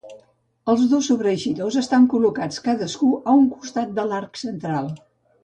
Els dos sobreeixidors estan col·locats cadascú a un costat de l'arc central.